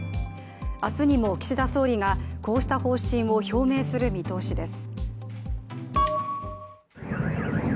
明日にも岸田総理がこうした方針を表明する見通しです。